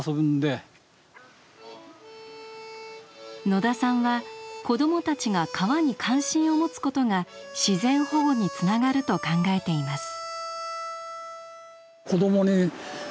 野田さんは子どもたちが川に関心を持つことが自然保護につながると考えています。